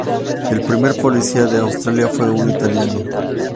El primer policía de Australia fue un italiano.